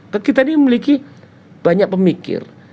kan kita ini memiliki banyak pemikir